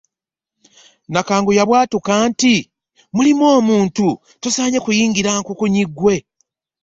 Nakangu yabwatuka nti, “Mulimu omuntu, tosaanye kuyingira nkunkunyi ggwe."